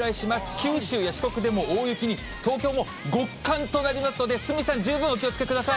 九州や四国でも大雪に、東京も極寒となりますので、鷲見さん、十分お気をつけください。